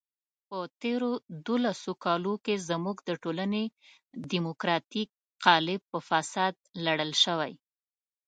په تېرو دولسو کالو کې زموږ د ټولنې دیموکراتیک قالب په فساد لړل شوی.